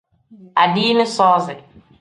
Adiini soozi.